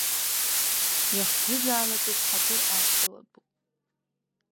Иахӡыӡаалатәуп, ҳаҭыр ақәҵалатәуп.